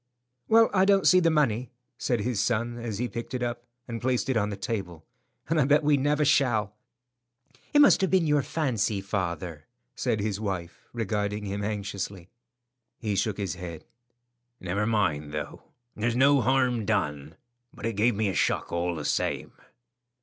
"Well, I don't see the money," said his son as he picked it up and placed it on the table, "and I bet I never shall." "It must have been your fancy, father," said his wife, regarding him anxiously. He shook his head. "Never mind, though; there's no harm done, but it gave me a shock all the same."